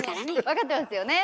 わかってますよね。